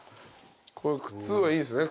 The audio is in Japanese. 靴はいいんですね？